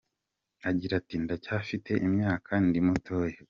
Agira ati “Ndacyafite imyaka ndi mutoya.